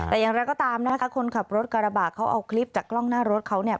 แต่อย่างไรก็ตามนะคะคนขับรถกระบะเขาเอาคลิปจากกล้องหน้ารถเขาเนี่ย